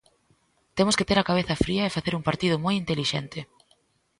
Temos que ter a cabeza fría e facer un partido moi intelixente.